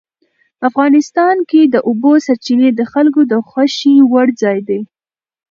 افغانستان کې د اوبو سرچینې د خلکو د خوښې وړ ځای دی.